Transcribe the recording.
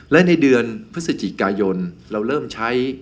และในเดือนพฤศจิกายนเราเริ่มใช้